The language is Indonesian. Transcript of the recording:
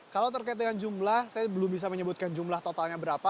kalau terkait dengan jumlah saya belum bisa menyebutkan jumlah totalnya berapa